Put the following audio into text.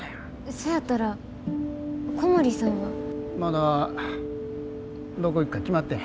そやったら小森さんは。まだどこ行くか決まってへん。